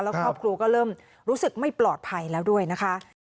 แล้วครอบครัวก็เริ่มรู้สึกไม่ปลอดภัยแล้วด้วยนะคะ